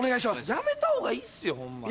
やめた方がいいっすよホンマに。